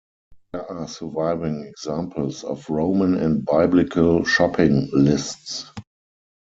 There are surviving examples of Roman and Biblical shopping lists.